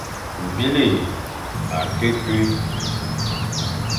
Vîle akî ku.